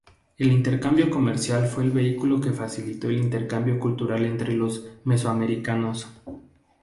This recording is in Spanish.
El intercambio comercial fue el vehículo que facilitó el intercambio cultural entre los mesoamericanos.